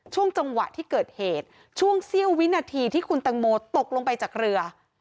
ช่วงจังหวะที่เกิดเหตุช่วงเสี้ยววินาทีที่คุณตังโมตกลงไปจากเรือ